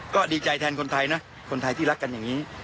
ก็ดีใจแทนคนไทยนะคนไทยที่รักกันอย่างนี้